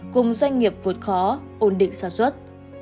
cùng doanh nghiệp vượt khó ổn định sản xuất